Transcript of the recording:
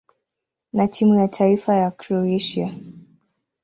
na timu ya taifa ya Kroatia.